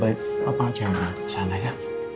baik apa aja sama sana ya